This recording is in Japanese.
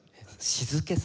「静けさ」。